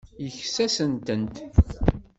Yekkes-asent-tent.